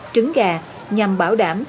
trứng gà nhằm bảo đảm